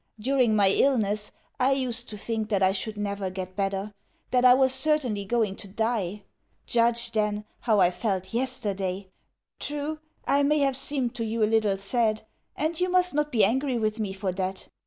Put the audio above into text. During my illness I used to think that I should never get better, that I was certainly going to die. Judge, then, how I felt yesterday! True, I may have seemed to you a little sad, and you must not be angry with me for that.